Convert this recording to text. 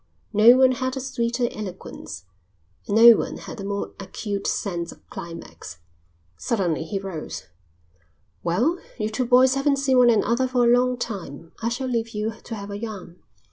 No one had a sweeter eloquence, and no one had a more acute sense of climax. Suddenly he rose. "Well, you two boys haven't seen one another for a long time. I shall leave you to have a yarn.